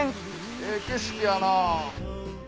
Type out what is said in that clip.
ええ景色やなぁ。